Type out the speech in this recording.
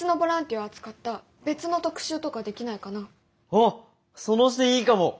おっその視点いいかも！